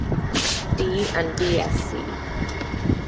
D and D. Sc.